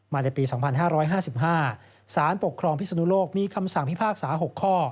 ในปี๒๕๕๕สารปกครองพิศนุโลกมีคำสั่งพิพากษา๖ข้อ